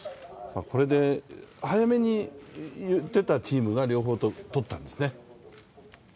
これで早めに言ってたチームが、両方ともとったんですね。